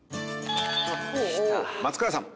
松倉さん。